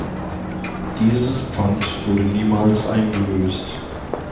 Dieses Pfand wurde niemals eingelöst.